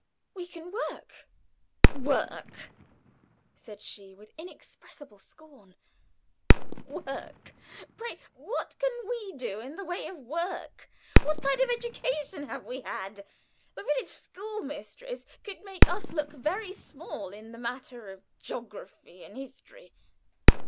"We can work." "Work!" said she, with inexpressible scorn. "Work! Pray what can we do in the way of work? What kind of education have we had? The village school mistress could make us look very small in the matter of geography and history.